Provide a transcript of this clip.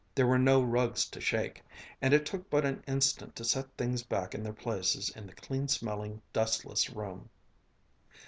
There were no rugs to shake, and it took but an instant to set things back in their places in the clean smelling, dustless room.